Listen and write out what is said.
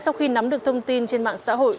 trong thông tin trên mạng xã hội